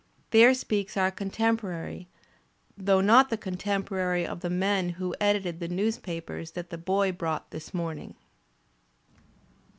There speaks our contemporary, though not the contemporary of the men who edited the newspapers that the boy brought this morning.